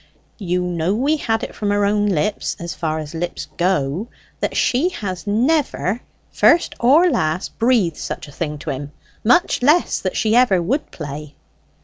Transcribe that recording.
You know we had it from her own lips, as far as lips go, that she has never, first or last, breathed such a thing to him; much less that she ever would play."